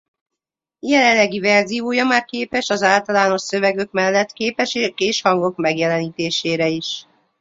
Jelenlegi verziója már képes az általános szövegek mellett képek és hangok megjelenítésére is.